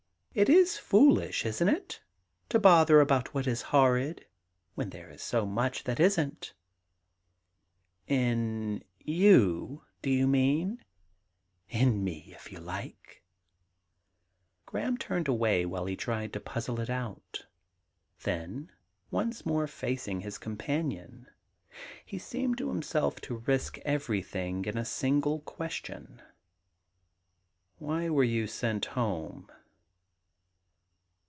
It is foolish, isn't it, to bother about what is horrid, when there is so much that isn't ?'* In you, do you mean ?'* In me, if you like.' 47 THE GARDEN GOD Graham turned away while he tried to puzzle it out. Then once more facing his companion, he seemed to himself to risk everjrthing in a single question :* Why were you sent home